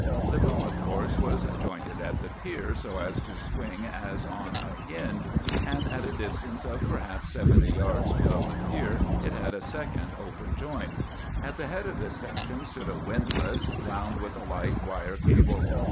"The boom, of course, was jointed at the pier so as to swing as on a hinge; and at a distance of perhaps seventy yards below the pier it had a second open joint. At the head of this section stood a windlass, wound with a light wire cable.